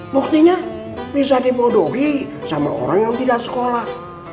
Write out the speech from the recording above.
buktinya bisa dibodohi sama orang yang tidak sekolah